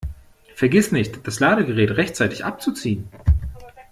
Vergiss nicht, das Ladegerät rechtzeitig abzuziehen!